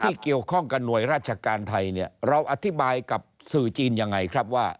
ที่เกี่ยวข้องกับหน่วยราชการไทยเนี่ยเราอธิบายกับสื่อจีนยังไงครับว่า